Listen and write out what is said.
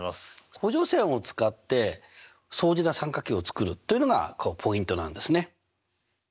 補助線を使って相似な三角形を作るというのがポイントなんですね！